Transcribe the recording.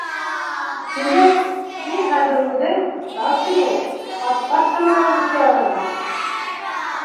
— Тимәк, һин хәҙер үҙең, старший булып, подпаскалар алып эшләй алырһың?